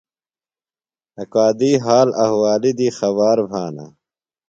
اکادُئی حال احوالی دی خبار بھانہ۔